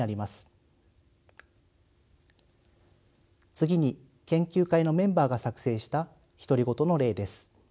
次に研究会のメンバーが作成した独り言の例です。